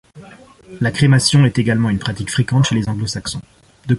La crémation est également une pratique fréquente chez les Anglo-Saxons.